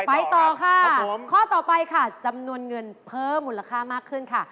ไปต่อค่ะข้อต่อไปค่ะจำนวนเงินเพิ่มมูลค่ามากขึ้นค่ะ